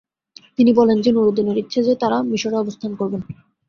তিনি বলেন যে নুরউদ্দিনের ইচ্ছা যে তারা মিশরে অবস্থান করবেন।